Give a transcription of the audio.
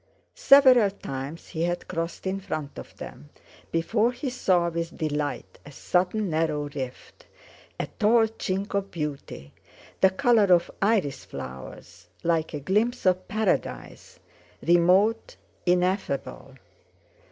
Several times he had crossed in front of them before he saw with delight a sudden narrow rift—a tall chink of beauty the colour of iris flowers, like a glimpse of Paradise, remote, ineffable.